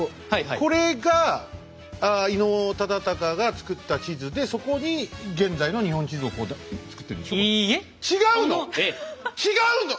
これが伊能忠敬が作った地図でそこに現在の日本地図をこう作ってんでしょ？